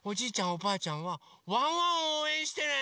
おばあちゃんはワンワンをおうえんしてね！